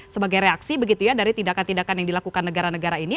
sebagai reaksi begitu ya dari tindakan tindakan yang dilakukan negara negara ini